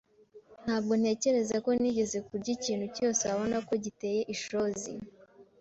Ntabwo ntekereza ko nigeze kurya ikintu cyose wabona ko giteye ishozi.